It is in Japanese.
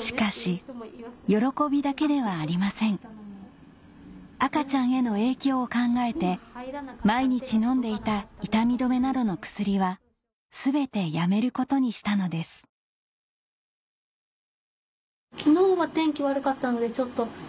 しかし喜びだけではありません赤ちゃんへの影響を考えて毎日飲んでいた痛み止めなどの薬は全てやめることにしたのですんですかね。